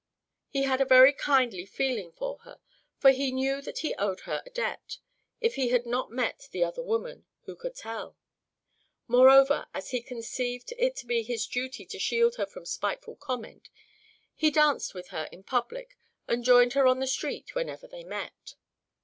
He had a very kindly feeling for her, for he knew that he owed her a debt; if he had not met the other woman who could tell? Moreover, as he conceived it to be his duty to shield her from spiteful comment, he danced with her in public and joined her on the street whenever they met.